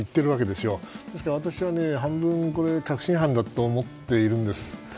ですから私は半分確信犯だと思っているんです。